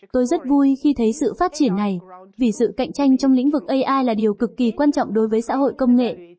tôi rất vui khi thấy sự phát triển này vì sự cạnh tranh trong lĩnh vực ai là điều cực kỳ quan trọng đối với xã hội công nghệ